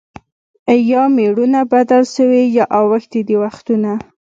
یا مېړونه بدل سوي یا اوښتي دي وختونه